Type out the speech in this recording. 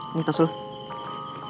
ini tas lu